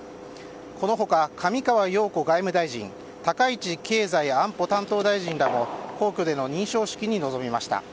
この他、上川陽子外務大臣高市経済安保担当大臣らも皇居での認証式に臨みました。